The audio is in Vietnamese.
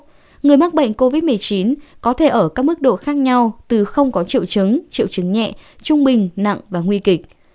vì vậy người mắc bệnh covid một mươi chín có thể ở các mức độ khác nhau từ không có triệu chứng triệu chứng nhẹ trung bình nặng và nguy kịch